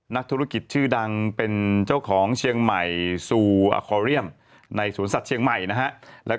นักธุรกิจชื่อดังเป็นเจ้าของเชียงใหม่ซูอาคอเรียมในสวนสัตว์เชียงใหม่นะฮะ